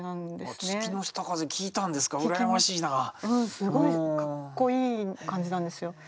すごいかっこいい感じなんですよ。